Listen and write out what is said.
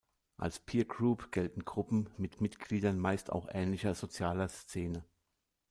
Als "Peergroup" gelten Gruppen mit Mitgliedern meist auch ähnlicher sozialer Szene.